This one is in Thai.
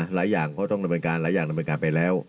หลายอย่างก็ต้องดำเนินการหลายอย่างดำเนินการไปแล้ว